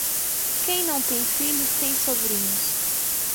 Quem não tem filhos, tem sobrinhos.